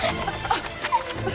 あっ！